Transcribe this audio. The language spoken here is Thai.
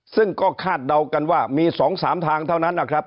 ซึ่งก็คาดเดากันว่ามี๒๓ทางเท่านั้นนะครับ